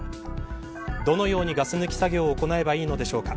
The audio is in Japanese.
どのようにガス抜き作業を行えばいいのでしょうか。